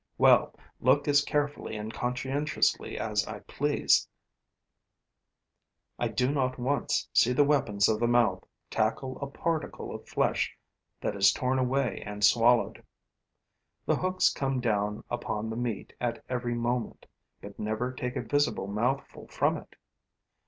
Well, look as carefully and conscientiously as I please, I do not once see the weapons of the mouth tackle a particle of flesh that is torn away and swallowed. The hooks come down upon the meat at every moment, but never take a visible mouthful from it.